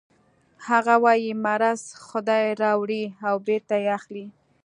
هغه وايي مرض خدای راوړي او بېرته یې اخلي